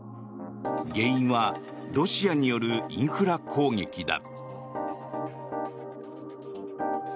原因はロシアによるインフラ攻撃だ。